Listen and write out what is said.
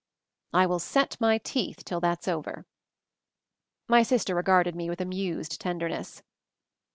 I will set my teeth till that's over." My sister regarded me with amused ten derness.